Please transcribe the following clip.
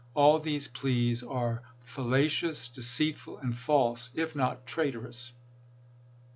All these pleas are fal lacious, deceitful, and false, if not traitorous."